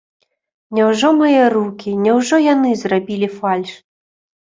Няўжо мае рукі, няўжо яны зрабілі фальш?